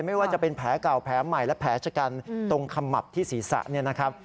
ไม่ว่าจะเป็นแผลเก่าแผลใหม่และแผลชะกันตรงขมับที่ศีรษะเนี่ยนะครับ